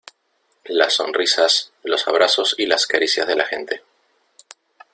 las sonrisas, los abrazos y las caricias de la gente